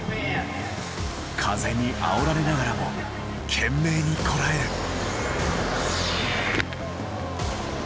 風にあおられながらも懸命にこらえる。